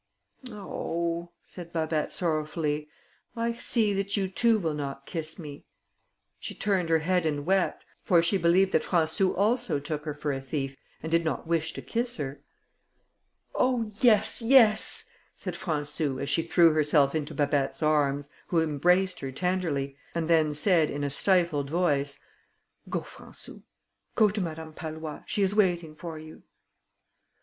"Oh!" said Babet sorrowfully, "I see that you too will not kiss me." She turned her head and wept, for she believed that Françou also took her for a thief, and did not wish to kiss her. "Oh! yes, yes," said Françou, as she threw herself into Babet's arms, who embraced her tenderly, and then said in a stifled voice: "Go, Françou, go to Madame Pallois, she is waiting for you."